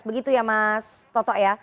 begitu ya mas toto ya